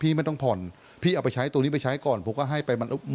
คุยกันนะครับพี่กล้านาโรงเจ้าของร้านนะฮะนอกจากนี้ครับทีมข่าวของเราตามต่อ